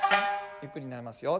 ゆっくりになりますよ。